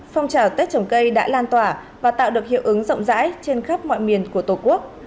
phong trào tết trồng cây đã lan tỏa và tạo được hiệu ứng rộng rãi trên khắp mọi miền của tổ quốc